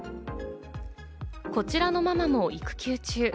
こちらのママも育休中。